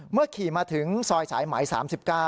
เมื่อขี่มาถึงซอยสายไหม๓๙